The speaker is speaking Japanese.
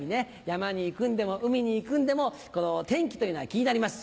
山に行くんでも海に行くんでも天気というのは気になります。